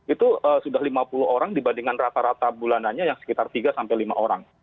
itu sudah lima puluh orang dibandingkan rata rata bulanannya yang sekitar tiga sampai lima orang